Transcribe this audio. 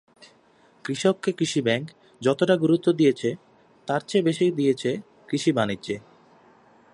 কৃষককে কৃষি ব্যাংক যতটা গুরুত্ব দিয়েছে, তার চেয়ে বেশি দিয়েছে কৃষি-বাণিজ্যে।